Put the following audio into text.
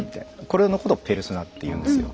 これのことを「ペルソナ」って言うんですよ。